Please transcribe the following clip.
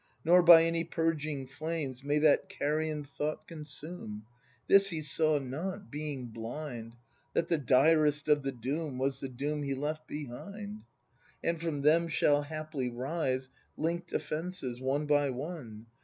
Nor by any purging flames May that carrion thought consume, — This he saw not, being blind. That the direst of the doom Was the doom he left behind. And from them shall haply rise Link'd offences one by one.